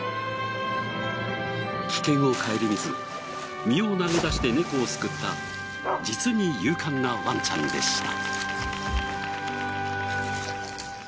危険を顧みず身を投げ出して猫を救った実に勇敢なワンちゃんでした。